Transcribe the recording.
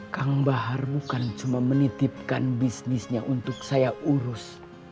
kang bahar bukan cuma menitipkan bisnisnya untuk saya urus